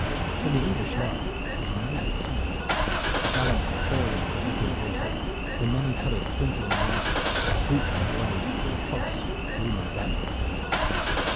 From the English line it was a noble sight, the gallant, pawing, curveting horses, the many colored twinkling riders, the swoop and wave and toss of plume and banner.